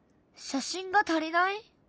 写真が足りない？